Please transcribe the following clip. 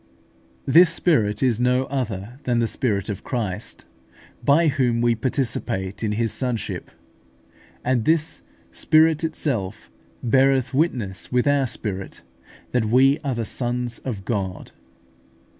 This spirit is no other than the Spirit of Christ, by whom we participate in His Sonship; and this "Spirit itself beareth witness with our spirit that we are the sons of God."